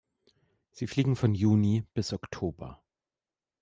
Sie fliegen von Juni bis Oktober.